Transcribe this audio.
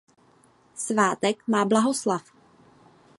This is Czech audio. Svátek má Blahoslav.